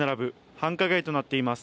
繁華街となっています。